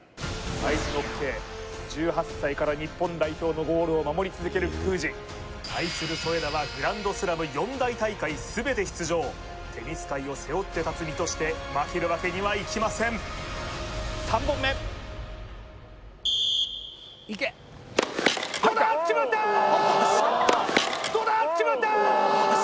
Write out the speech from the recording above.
アイスホッケー１８歳から日本代表のゴールを守り続ける福藤対する添田はグランドスラム４大大会全て出場テニス界を背負って立つ身として負けるわけにはいきませんどうだ？